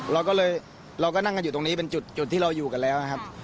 เราก็เลยเราก็นั่งกันอยู่ตรงนี้เป็นจุดที่เราอยู่กันแล้วนะครับ